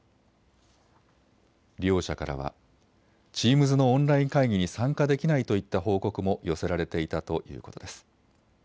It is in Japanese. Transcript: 利用者からはチームズのオンライン会議に参加できないといった報告も寄せられていたということです。